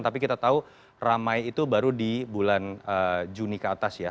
tapi kita tahu ramai itu baru di bulan juni ke atas ya